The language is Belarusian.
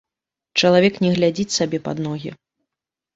Чалавек не глядзіць сабе пад ногі.